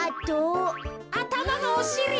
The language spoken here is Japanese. あたまのおしり。